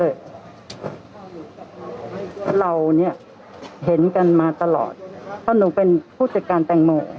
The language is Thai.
เราเนี่ยเห็นกันมาตลอดเพราะหนูเป็นผู้จัดการแตงโม